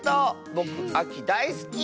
ぼくあきだいすき！